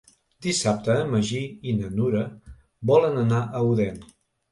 Dissabte en Magí i na Nura volen anar a Odèn.